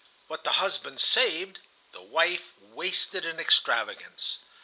What the husband saved, the wife wasted in extravagance.